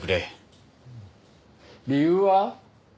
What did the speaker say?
理由は？